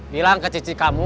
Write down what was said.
bilang ke cici kamu